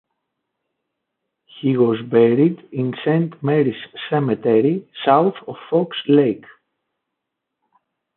He was buried in Saint Mary's Cemetery south of Fox Lake.